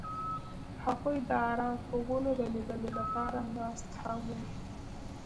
هغوی د آرام خوبونو د لیدلو لپاره ناست هم وو.